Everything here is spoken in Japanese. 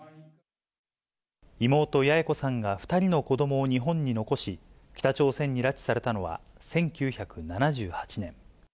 妹、八重子さんが２人の子どもを日本に残し、北朝鮮に拉致されたのは１９７８年。